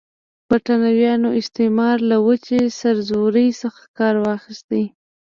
برټانوي استعمار له وچې سرزورۍ څخه کار واخیست.